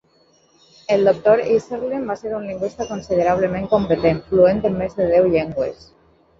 El Doctor Isserlin va ser un lingüista considerablement competent, fluent en més de deu llengües.